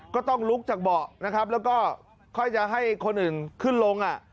ก็ต้องลุกจากเบาะนะครับแล้วก็ค่อยจะให้คนอื่นขึ้นลงอ่ะ